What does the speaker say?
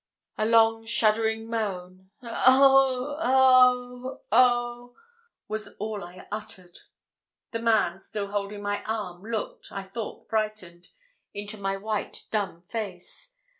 A long shuddering moan 'Oh oh oh!' was all I uttered. The man, still holding my arm, looked, I thought frightened, into my white dumb face.